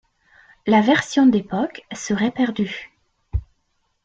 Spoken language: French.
La version d'époque serait perdue.